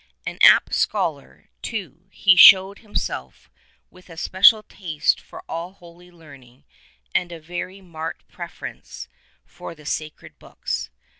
An apt scholar, too, he showed himself, with a special taste for all holy learning and a very marked preference for the sacred books.